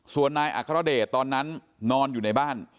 ส่วนนายอัครเดชตอนนั้นนอนอยู่ในบ้าน